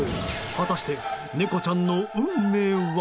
果たして、猫ちゃんの運命は？